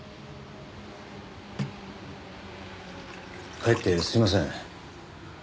かえってすいません。